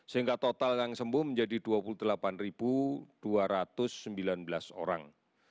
sehingga total yang sembuh menjadi dua puluh delapan dua ratus sembilan belas orang